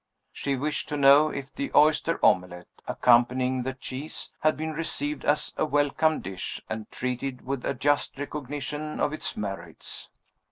She wished to know if the oyster omelet (accompanying the cheese) had been received as a welcome dish, and treated with a just recognition of its merits.